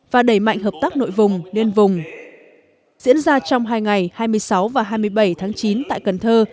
và đẩy mạnh hợp tác nội vùng liên vùng diễn ra trong hai ngày hai mươi sáu và hai mươi bảy tháng chín tại cần thơ